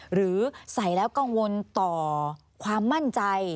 หรือใส่แล้วกังวลต่อความมั่นใจ